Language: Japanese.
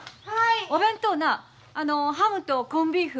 お弁当なあのハムとコンビーフ